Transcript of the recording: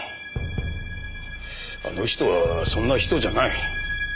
あの人はそんな人じゃない。